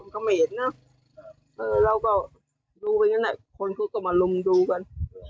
ค่ะเมดนะเออเราก็ดูคนเขาก็มาลุมดูกัน